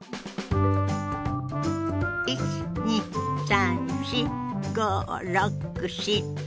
１２３４５６７８。